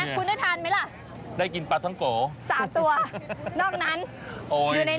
เห็นไหมคุณได้ทานไหมล่ะ